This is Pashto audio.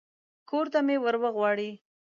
کور ته مې ور وغواړي.